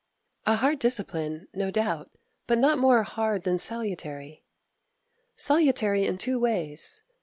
7. A hard discipline, no doubt, but not more hard than salutary. Salutary in two ways.